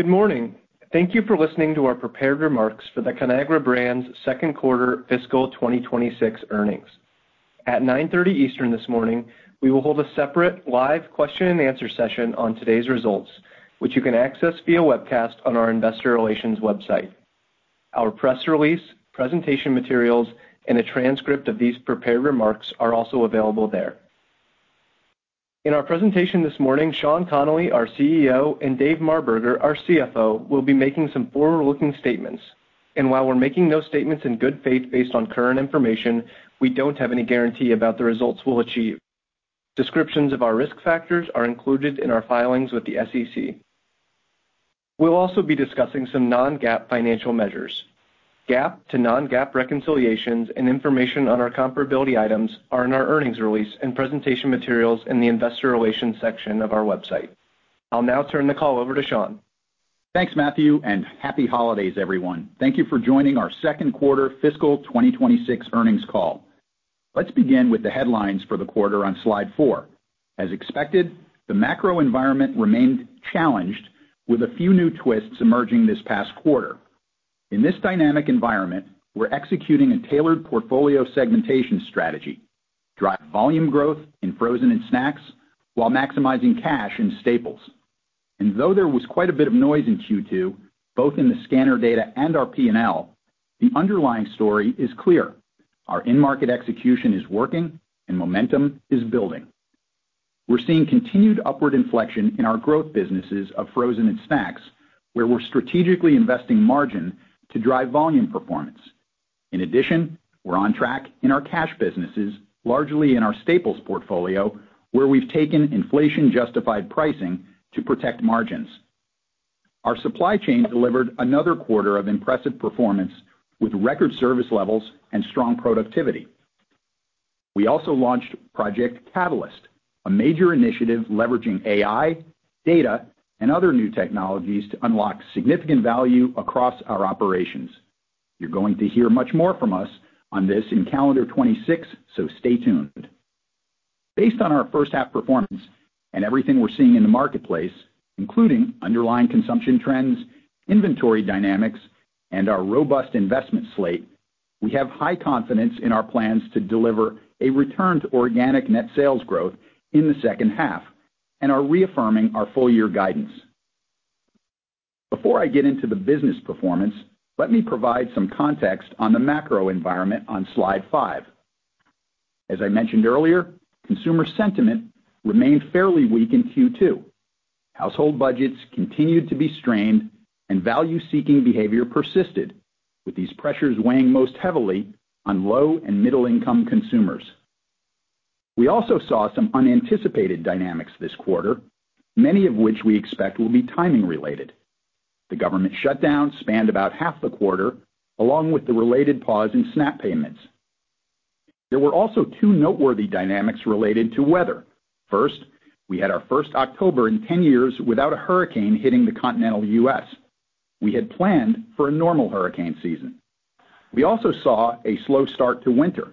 Good morning. Thank you for listening to our prepared remarks for the Conagra Brands Second Quarter Fiscal 2026 earnings. At 9:30 Eastern this morning, we will hold a separate live question-and-answer session on today's results, which you can access via webcast on our investor relations website. Our press release, presentation materials, and a transcript of these prepared remarks are also available there. In our presentation this morning, Sean Connolly, our CEO, and Dave Marberger, our CFO, will be making some forward-looking statements. And while we're making those statements in good faith based on current information, we don't have any guarantee about the results we'll achieve. Descriptions of our risk factors are included in our filings with the SEC. We'll also be discussing some non-GAAP financial measures. GAAP to non-GAAP reconciliations and information on our comparability items are in our earnings release and presentation materials in the investor relations section of our website. I'll now turn the call over to Sean. Thanks, Matthew, and happy holidays, everyone. Thank you for joining our Second Quarter Fiscal 2026 Earnings Call. Let's begin with the headlines for the quarter on slide four. As expected, the macro environment remained challenged, with a few new twists emerging this past quarter. In this dynamic environment, we're executing a tailored portfolio segmentation strategy to drive volume growth in frozen and snacks while maximizing cash in staples. And though there was quite a bit of noise in Q2, both in the scanner data and our P&L, the underlying story is clear: our in-market execution is working, and momentum is building. We're seeing continued upward inflection in our growth businesses of frozen and snacks, where we're strategically investing margin to drive volume performance. In addition, we're on track in our cash businesses, largely in our staples portfolio, where we've taken inflation-justified pricing to protect margins. Our supply chain delivered another quarter of impressive performance, with record service levels and strong productivity. We also launched Project Catalyst, a major initiative leveraging AI, data, and other new technologies to unlock significant value across our operations. You're going to hear much more from us on this in calendar 2026, so stay tuned. Based on our first-half performance and everything we're seeing in the marketplace, including underlying consumption trends, inventory dynamics, and our robust investment slate, we have high confidence in our plans to deliver a return to organic net sales growth in the second half and are reaffirming our full-year guidance. Before I get into the business performance, let me provide some context on the macro environment on slide five. As I mentioned earlier, consumer sentiment remained fairly weak in Q2. Household budgets continued to be strained, and value-seeking behavior persisted, with these pressures weighing most heavily on low and middle-income consumers. We also saw some unanticipated dynamics this quarter, many of which we expect will be timing-related. The government shutdown spanned about half the quarter, along with the related pause in SNAP payments. There were also two noteworthy dynamics related to weather. First, we had our first October in 10 years without a hurricane hitting the continental U.S. We had planned for a normal hurricane season. We also saw a slow start to winter.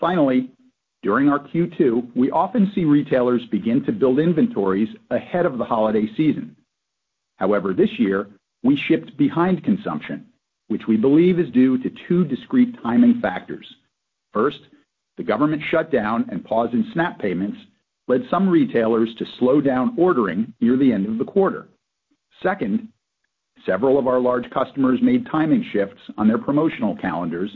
Finally, during our Q2, we often see retailers begin to build inventories ahead of the holiday season. However, this year, we shipped behind consumption, which we believe is due to two discrete timing factors. First, the government shutdown and pause in SNAP payments led some retailers to slow down ordering near the end of the quarter. Second, several of our large customers made timing shifts on their promotional calendars,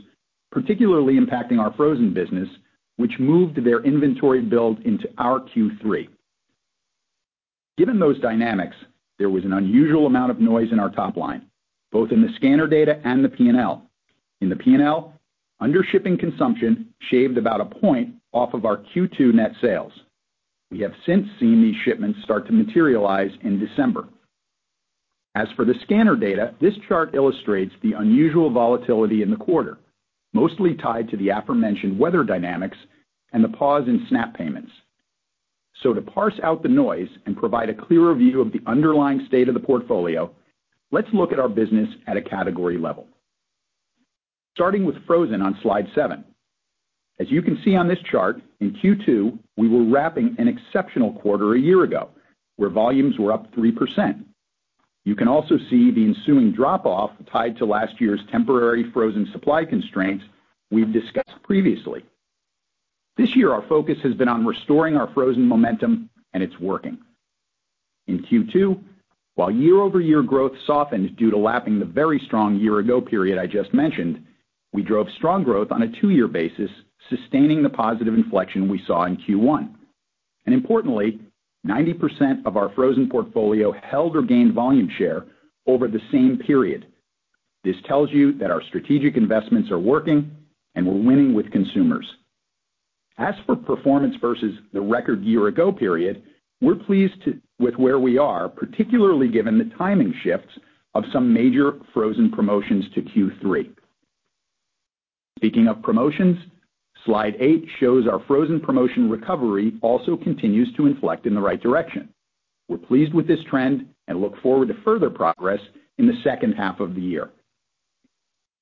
particularly impacting our frozen business, which moved their inventory build into our Q3. Given those dynamics, there was an unusual amount of noise in our top line, both in the scanner data and the P&L. In the P&L, under-shipping consumption shaved about a point off of our Q2 net sales. We have since seen these shipments start to materialize in December. As for the scanner data, this chart illustrates the unusual volatility in the quarter, mostly tied to the aforementioned weather dynamics and the pause in SNAP payments. So, to parse out the noise and provide a clearer view of the underlying state of the portfolio, let's look at our business at a category level. Starting with frozen on slide seven. As you can see on this chart, in Q2, we were wrapping an exceptional quarter a year ago, where volumes were up 3%. You can also see the ensuing drop-off tied to last year's temporary frozen supply constraints we've discussed previously. This year, our focus has been on restoring our frozen momentum, and it's working. In Q2, while year-over-year growth softened due to lapping the very strong year-ago period I just mentioned, we drove strong growth on a two-year basis, sustaining the positive inflection we saw in Q1. And importantly, 90% of our frozen portfolio held or gained volume share over the same period. This tells you that our strategic investments are working, and we're winning with consumers. As for performance versus the record year-ago period, we're pleased with where we are, particularly given the timing shifts of some major frozen promotions to Q3. Speaking of promotions, slide eight shows our frozen promotion recovery also continues to inflect in the right direction. We're pleased with this trend and look forward to further progress in the second half of the year.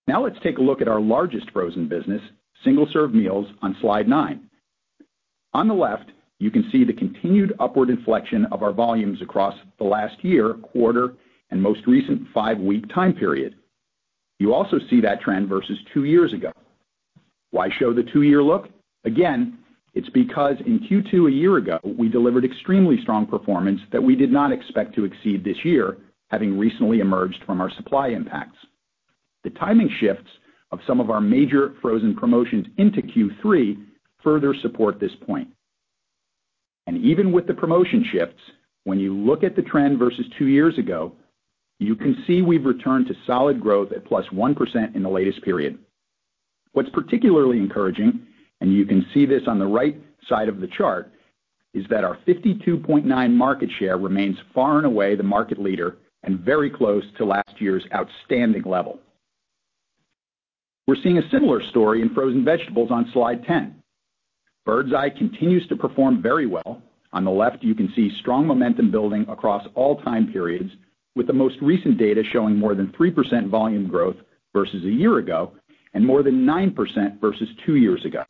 Now, let's take a look at our largest frozen business, single-serve meals, on slide nine. On the left, you can see the continued upward inflection of our volumes across the last year, quarter, and most recent five-week time period. You also see that trend versus two years ago. Why show the two-year look? Again, it's because in Q2 a year ago, we delivered extremely strong performance that we did not expect to exceed this year, having recently emerged from our supply impacts. The timing shifts of some of our major frozen promotions into Q3 further support this point. And even with the promotion shifts, when you look at the trend versus two years ago, you can see we've returned to solid growth at plus 1% in the latest period. What's particularly encouraging, and you can see this on the right side of the chart, is that our 52.9 market share remains far and away the market leader and very close to last year's outstanding level. We're seeing a similar story in frozen vegetables on slide 10. Birds Eye continues to perform very well. On the left, you can see strong momentum building across all time periods, with the most recent data showing more than 3% volume growth versus a year ago and more than 9% versus two years ago.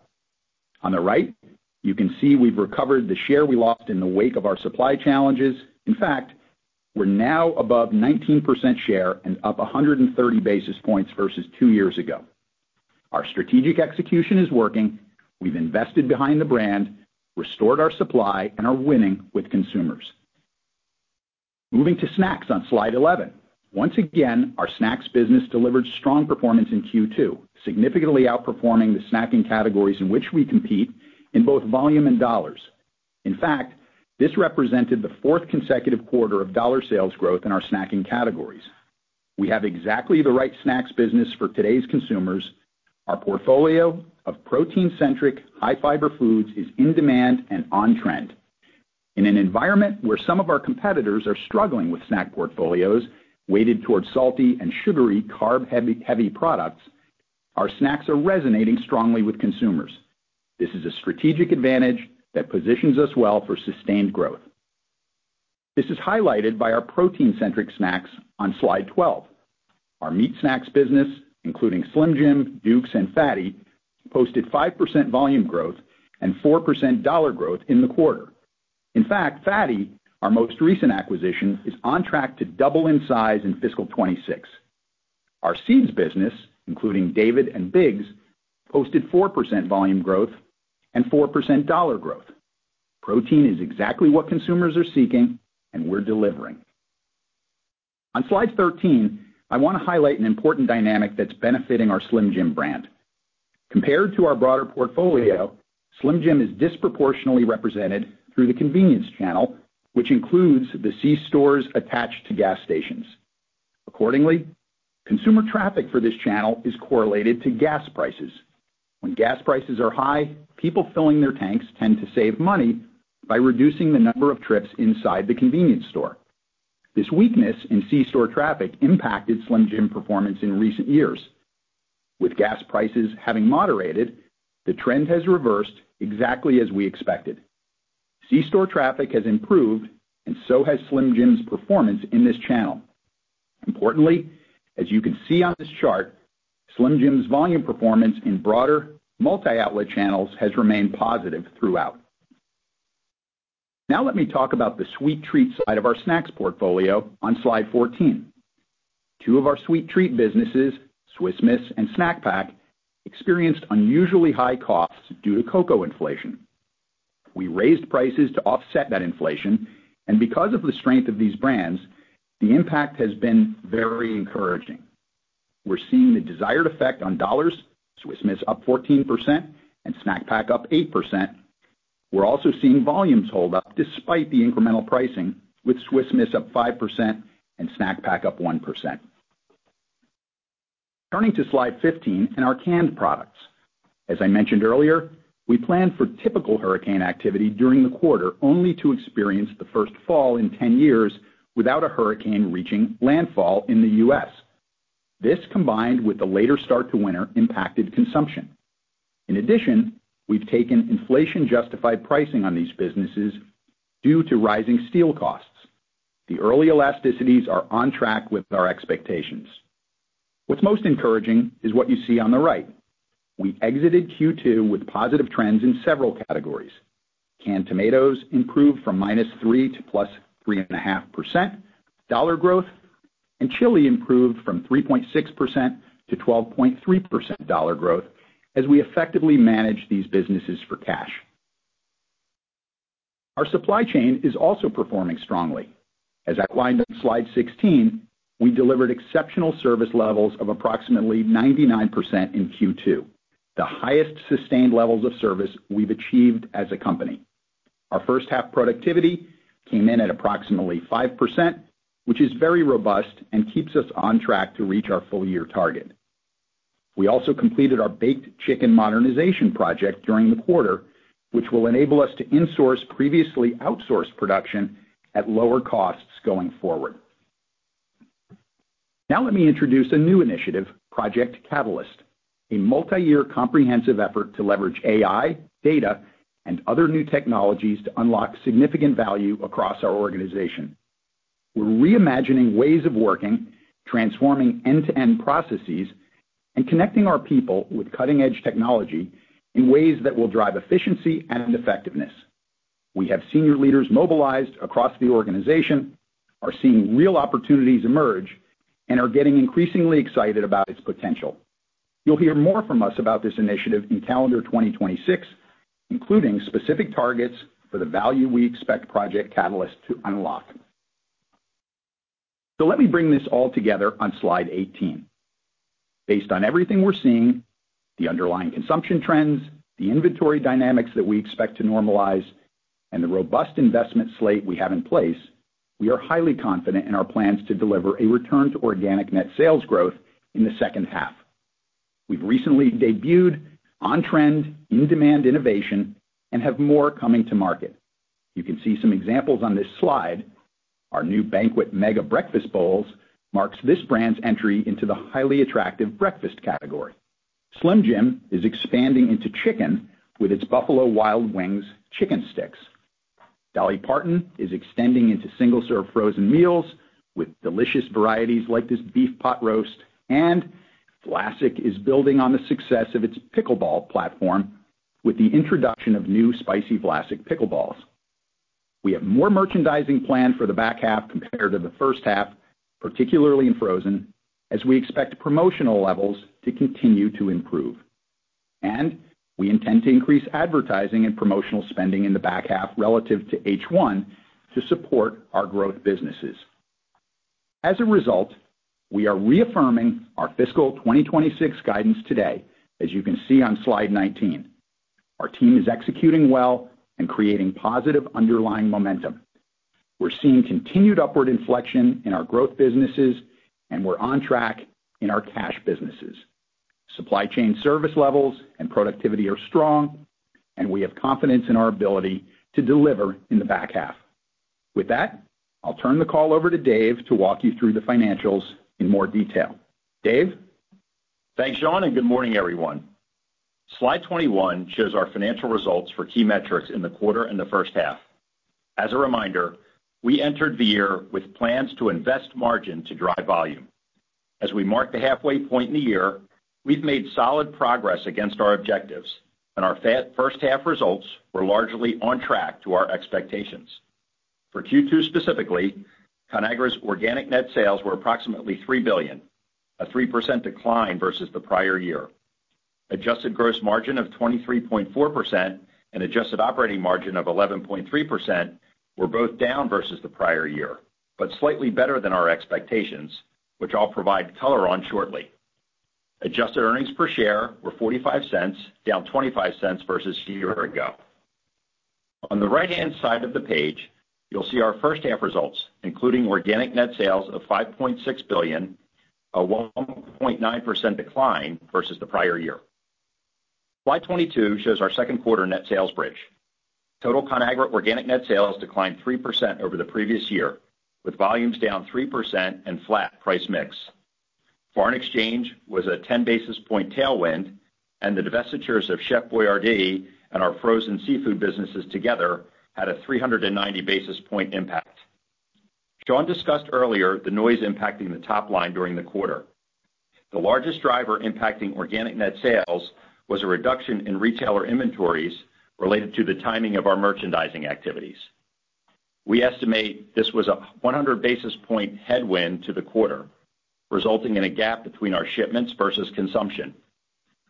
On the right, you can see we've recovered the share we lost in the wake of our supply challenges. In fact, we're now above 19% share and up 130 basis points versus two years ago. Our strategic execution is working. We've invested behind the brand, restored our supply, and are winning with consumers. Moving to snacks on slide 11. Once again, our snacks business delivered strong performance in Q2, significantly outperforming the snacking categories in which we compete in both volume and dollars. In fact, this represented the fourth consecutive quarter of dollar sales growth in our snacking categories. We have exactly the right snacks business for today's consumers. Our portfolio of protein-centric high-fiber foods is in demand and on trend. In an environment where some of our competitors are struggling with snack portfolios weighted towards salty and sugary carb-heavy products, our snacks are resonating strongly with consumers. This is a strategic advantage that positions us well for sustained growth. This is highlighted by our protein-centric snacks on slide 12. Our meat snacks business, including Slim Jims, Duke's, and FATTY, posted 5% volume growth and 4% dollar growth in the quarter. In fact, FATTY, our most recent acquisition, is on track to double in size in fiscal 2026. Our seeds business, including DAVID and BIGS, posted 4% volume growth and 4% dollar growth. Protein is exactly what consumers are seeking, and we're delivering. On slide 13, I want to highlight an important dynamic that's benefiting our Slim Jim brand. Compared to our broader portfolio, Slim Jim is disproportionately represented through the convenience channel, which includes the C-stores attached to gas stations. Accordingly, consumer traffic for this channel is correlated to gas prices. When gas prices are high, people filling their tanks tend to save money by reducing the number of trips inside the convenience store. This weakness in C-store traffic impacted Slim Jim performance in recent years. With gas prices having moderated, the trend has reversed exactly as we expected. C-store traffic has improved, and so has Slim Jim's performance in this channel. Importantly, as you can see on this chart, Slim Jim's volume performance in broader multi-outlet channels has remained positive throughout. Now, let me talk about the sweet treat side of our snacks portfolio on slide 14. Two of our sweet treat businesses, Swiss Miss and Snack Pack, experienced unusually high costs due to cocoa inflation. We raised prices to offset that inflation, and because of the strength of these brands, the impact has been very encouraging. We're seeing the desired effect on dollars: Swiss Miss up 14% and Snack Pack up 8%. We're also seeing volumes hold up despite the incremental pricing, with Swiss Miss up 5% and Snack Pack up 1%. Turning to slide 15 and our canned products. As I mentioned earlier, we planned for typical hurricane activity during the quarter only to experience the first fall in 10 years without a hurricane reaching landfall in the U.S. This combined with the later start to winter impacted consumption. In addition, we've taken inflation-justified pricing on these businesses due to rising steel costs. The early elasticities are on track with our expectations. What's most encouraging is what you see on the right. We exited Q2 with positive trends in several categories. Canned tomatoes improved from -3% to +3.5% dollar growth, and chili improved from 3.6% to 12.3% dollar growth as we effectively managed these businesses for cash. Our supply chain is also performing strongly. As outlined on slide 16, we delivered exceptional service levels of approximately 99% in Q2, the highest sustained levels of service we've achieved as a company. Our first-half productivity came in at approximately 5%, which is very robust and keeps us on track to reach our full-year target. We also completed our baked chicken modernization project during the quarter, which will enable us to insource previously outsourced production at lower costs going forward. Now, let me introduce a new initiative, Project Catalyst, a multi-year comprehensive effort to leverage AI, data, and other new technologies to unlock significant value across our organization. We're reimagining ways of working, transforming end-to-end processes, and connecting our people with cutting-edge technology in ways that will drive efficiency and effectiveness. We have senior leaders mobilized across the organization, are seeing real opportunities emerge, and are getting increasingly excited about its potential. You'll hear more from us about this initiative in calendar 2026, including specific targets for the value we expect Project Catalyst to unlock. So let me bring this all together on slide 18. Based on everything we're seeing, the underlying consumption trends, the inventory dynamics that we expect to normalize, and the robust investment slate we have in place, we are highly confident in our plans to deliver a return to organic net sales growth in the second half. We've recently debuted on-trend, in-demand innovation and have more coming to market. You can see some examples on this slide. Our new Banquet Mega Breakfast Bowls marks this brand's entry into the highly attractive breakfast category. Slim Jim is expanding into chicken with its Buffalo Wild Wings chicken sticks. Dolly Parton is extending into single-serve frozen meals with delicious varieties like this beef pot roast, and Vlasic is building on the success of its Pickleball platform with the introduction of new spicy Vlasic Pickleballs. We have more merchandising planned for the back half compared to the first half, particularly in frozen, as we expect promotional levels to continue to improve, and we intend to increase advertising and promotional spending in the back half relative to H1 to support our growth businesses. As a result, we are reaffirming our Fiscal 2026 guidance today, as you can see on slide 19. Our team is executing well and creating positive underlying momentum. We're seeing continued upward inflection in our growth businesses, and we're on track in our cash businesses. Supply chain service levels and productivity are strong, and we have confidence in our ability to deliver in the back half. With that, I'll turn the call over to Dave to walk you through the financials in more detail. Dave? Thanks, Sean, and good morning, everyone. Slide 21 shows our financial results for key metrics in the quarter and the first half. As a reminder, we entered the year with plans to invest margin to drive volume. As we mark the halfway point in the year, we've made solid progress against our objectives, and our first-half results were largely on track to our expectations. For Q2 specifically, Conagra's organic net sales were approximately $3 billion, a 3% decline versus the prior year. Adjusted gross margin of 23.4% and adjusted operating margin of 11.3% were both down versus the prior year, but slightly better than our expectations, which I'll provide color on shortly. Adjusted earnings per share were $0.45, down $0.25 versus a year ago. On the right-hand side of the page, you'll see our first-half results, including organic net sales of $5.6 billion, a 1.9% decline versus the prior year. Slide 22 shows our second-quarter net sales bridge. Total Conagra organic net sales declined 3% over the previous year, with volumes down 3% and flat price mix. Foreign exchange was a 10 basis points tailwind, and the divestitures of Chef Boyardee and our frozen seafood businesses together had a 390 basis points impact. Sean discussed earlier the noise impacting the top line during the quarter. The largest driver impacting organic net sales was a reduction in retailer inventories related to the timing of our merchandising activities. We estimate this was a 100 basis points headwind to the quarter, resulting in a gap between our shipments versus consumption.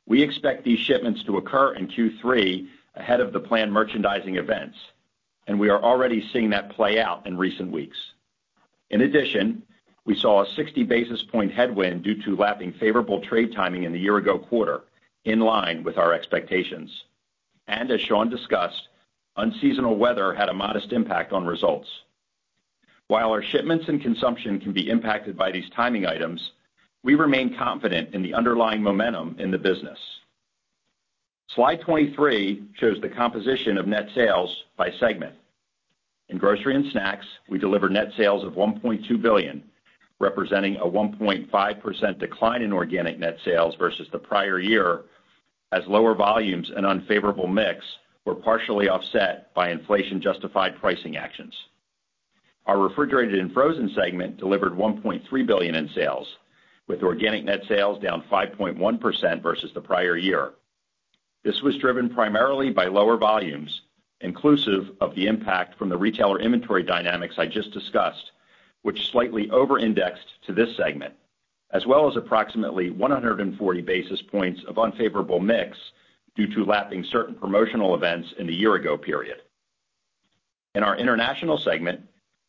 We expect these shipments to occur in Q3 ahead of the planned merchandising events, and we are already seeing that play out in recent weeks. In addition, we saw a 60 basis points headwind due to lapping favorable trade timing in the year-ago quarter, in line with our expectations. And as Sean discussed, unseasonal weather had a modest impact on results. While our shipments and consumption can be impacted by these timing items, we remain confident in the underlying momentum in the business. Slide 23 shows the composition of net sales by segment. In Grocery & Snacks, we delivered net sales of $1.2 billion, representing a 1.5% decline in organic net sales versus the prior year, as lower volumes and unfavorable mix were partially offset by inflation-justified pricing actions. Our Refrigerated & Frozen segment delivered $1.3 billion in sales, with organic net sales down 5.1% versus the prior year. This was driven primarily by lower volumes, inclusive of the impact from the retailer inventory dynamics I just discussed, which slightly over-indexed to this segment, as well as approximately 140 basis points of unfavorable mix due to lapping certain promotional events in the year-ago period. In our International segment,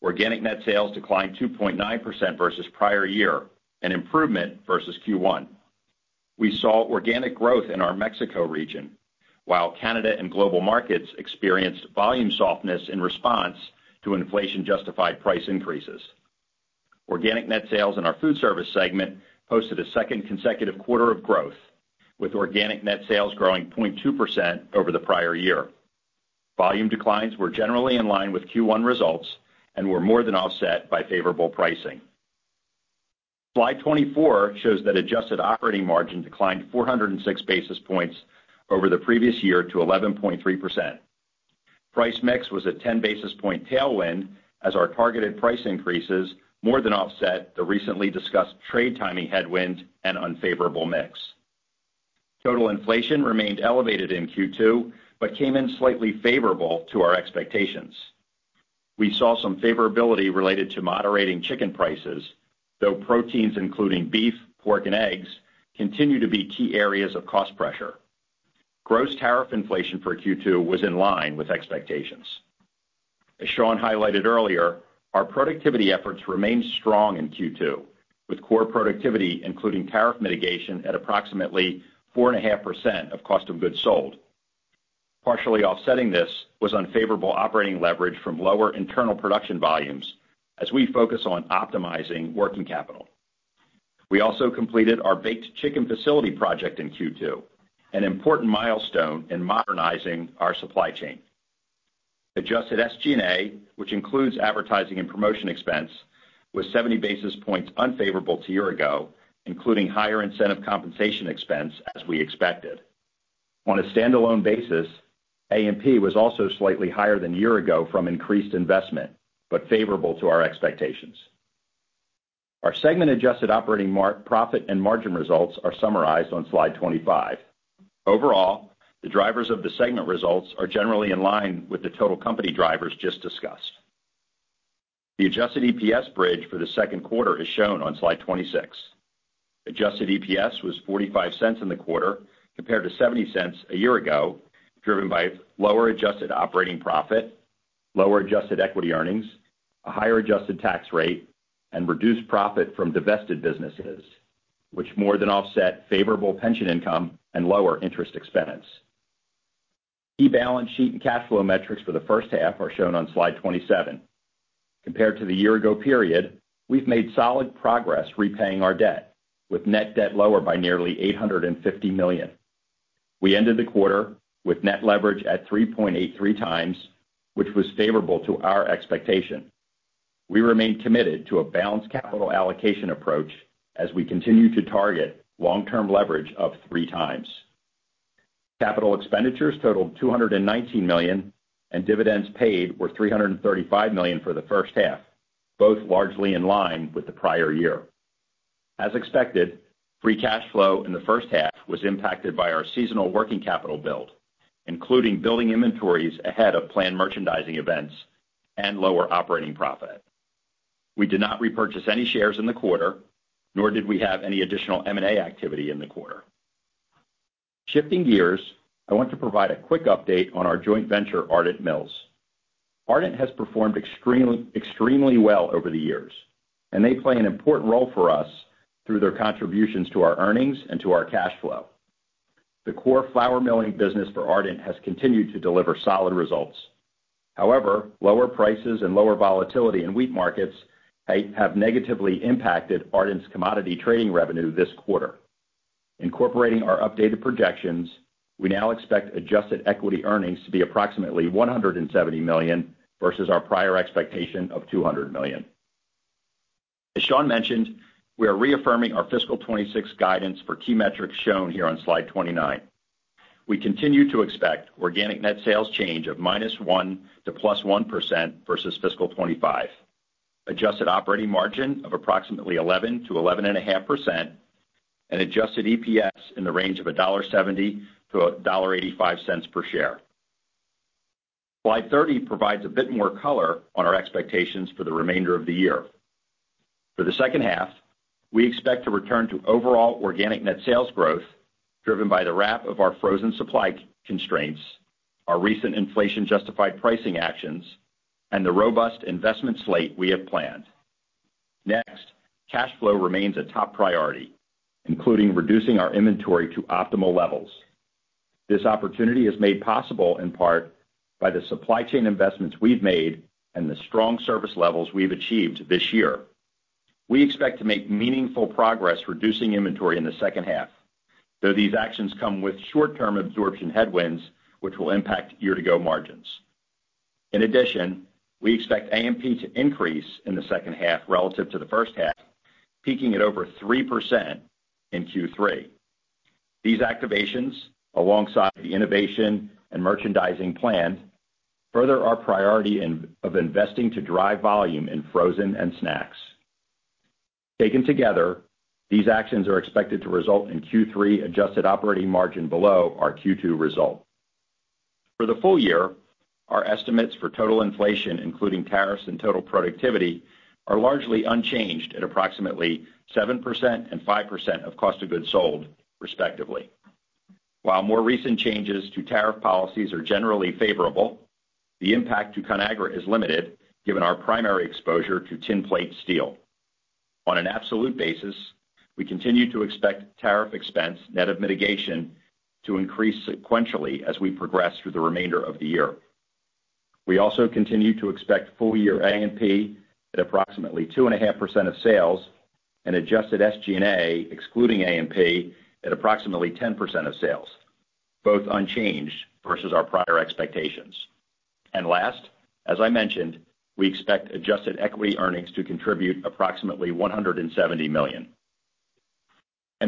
organic net sales declined 2.9% versus prior year, an improvement versus Q1. We saw organic growth in our Mexico region, while Canada and global markets experienced volume softness in response to inflation-justified price increases. Organic net sales in our Foodservice segment posted a second consecutive quarter of growth, with organic net sales growing 0.2% over the prior year. Volume declines were generally in line with Q1 results and were more than offset by favorable pricing. Slide 24 shows that adjusted operating margin declined 406 basis points over the previous year to 11.3%. Price mix was a 10 basis point tailwind, as our targeted price increases more than offset the recently discussed trade timing headwind and unfavorable mix. Total inflation remained elevated in Q2 but came in slightly favorable to our expectations. We saw some favorability related to moderating chicken prices, though proteins including beef, pork, and eggs continue to be key areas of cost pressure. Gross tariff inflation for Q2 was in line with expectations. As Sean highlighted earlier, our productivity efforts remained strong in Q2, with core productivity including tariff mitigation at approximately 4.5% of cost of goods sold. Partially offsetting this was unfavorable operating leverage from lower internal production volumes, as we focus on optimizing working capital. We also completed our baked chicken facility project in Q2, an important milestone in modernizing our supply chain. Adjusted SG&A, which includes advertising and promotion expense, was 70 basis points unfavorable to year-ago, including higher incentive compensation expense as we expected. On a standalone basis, A&P was also slightly higher than year-ago from increased investment, but favorable to our expectations. Our segment-adjusted operating profit and margin results are summarized on slide 25. Overall, the drivers of the segment results are generally in line with the total company drivers just discussed. The adjusted EPS bridge for the second quarter is shown on slide 26. Adjusted EPS was $0.45 in the quarter compared to $0.70 a year ago, driven by lower adjusted operating profit, lower adjusted equity earnings, a higher adjusted tax rate, and reduced profit from divested businesses, which more than offset favorable pension income and lower interest expense. Balance sheet and cash flow metrics for the first half are shown on slide 27. Compared to the year-ago period, we've made solid progress repaying our debt, with net debt lower by nearly $850 million. We ended the quarter with net leverage at 3.83x, which was favorable to our expectation. We remain committed to a balanced capital allocation approach as we continue to target long-term leverage of 3x. Capital expenditures totaled $219 million, and dividends paid were $335 million for the first half, both largely in line with the prior year. As expected, free cash flow in the first half was impacted by our seasonal working capital build, including building inventories ahead of planned merchandising events and lower operating profit. We did not repurchase any shares in the quarter, nor did we have any additional M&A activity in the quarter. Shifting gears, I want to provide a quick update on our joint venture, Ardent Mills. Ardent Mills has performed extremely well over the years, and they play an important role for us through their contributions to our earnings and to our cash flow. The core flour milling business for Ardent Mills has continued to deliver solid results. However, lower prices and lower volatility in wheat markets have negatively impacted Ardent Mills's commodity trading revenue this quarter. Incorporating our updated projections, we now expect adjusted equity earnings to be approximately $170 million versus our prior expectation of $200 million. As Sean mentioned, we are reaffirming our fiscal 2026 guidance for key metrics shown here on slide 29. We continue to expect organic net sales change of -1% to +1% versus fiscal 2025, adjusted operating margin of approximately 11%-11.5%, and adjusted EPS in the range of $1.70-$1.85 per share. Slide 30 provides a bit more color on our expectations for the remainder of the year. For the second half, we expect to return to overall organic net sales growth driven by the wrap of our frozen supply constraints, our recent inflation-justified pricing actions, and the robust investment slate we have planned. Next, cash flow remains a top priority, including reducing our inventory to optimal levels. This opportunity is made possible in part by the supply chain investments we've made and the strong service levels we've achieved this year. We expect to make meaningful progress reducing inventory in the second half, though these actions come with short-term absorption headwinds, which will impact year-ago margins. In addition, we expect A&P to increase in the second half relative to the first half, peaking at over 3% in Q3. These activations, alongside the innovation and merchandising plan, further our priority of investing to drive volume in frozen and snacks. Taken together, these actions are expected to result in Q3 adjusted operating margin below our Q2 result. For the full year, our estimates for total inflation, including tariffs and total productivity, are largely unchanged at approximately 7% and 5% of cost of goods sold, respectively. While more recent changes to tariff policies are generally favorable, the impact to Conagra is limited, given our primary exposure to tin plate steel. On an absolute basis, we continue to expect tariff expense net of mitigation to increase sequentially as we progress through the remainder of the year. We also continue to expect full-year A&P at approximately 2.5% of sales and adjusted SG&A excluding A&P at approximately 10% of sales, both unchanged versus our prior expectations. Last, as I mentioned, we expect adjusted equity earnings to contribute approximately $170 million.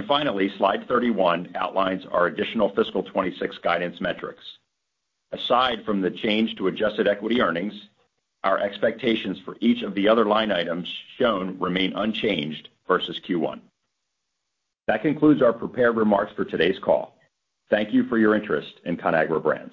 Finally, slide 31 outlines our additional Fiscal 2026 guidance metrics. Aside from the change to adjusted equity earnings, our expectations for each of the other line items shown remain unchanged versus Q1. That concludes our prepared remarks for today's call. Thank you for your interest in Conagra Brands.